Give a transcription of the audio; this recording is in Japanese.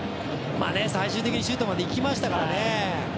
最終的にシュートまでいきましたけどね。